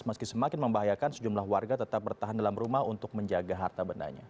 meski semakin membahayakan sejumlah warga tetap bertahan dalam rumah untuk menjaga harta bendanya